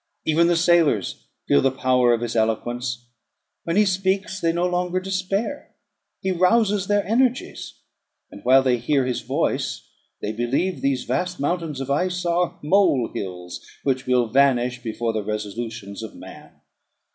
Even the sailors feel the power of his eloquence: when he speaks, they no longer despair; he rouses their energies, and, while they hear his voice, they believe these vast mountains of ice are mole hills, which will vanish before the resolutions of man.